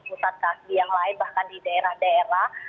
pusat kaki yang lain bahkan di daerah daerah